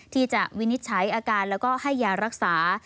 วินิจฉัยอาการแล้วก็ให้ยารักษา